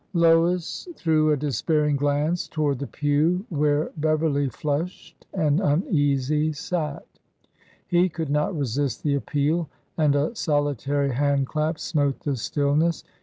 11 ji 36 Lois threw a despairing glance toward the pew where Beverljit flushed and uneasy, sat. He could not resist the appeal, and a solitary hand clap smote the stillness.